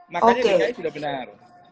makanya tinggal sudah benar